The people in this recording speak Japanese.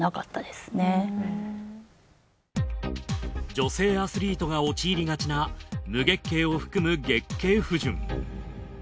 女性アスリートが陥りがちな無月経を含む月経不順。